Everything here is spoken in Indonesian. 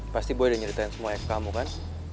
pasti gue udah nyeritain semua ya ke kamu kan